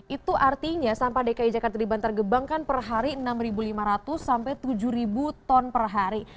itu artinya sampah dki jakarta di bantar gebang kan per hari enam lima ratus sampai tujuh ton per hari